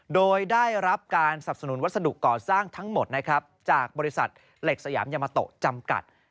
โดยได้รับการสนับสนุนวัตถ์สถานที่บริษัทเหล็กสยามอยมะโตจำกัด